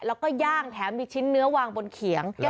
แล้วก็ย่างแถมมีชิ้นเนื้อวางบนเขียง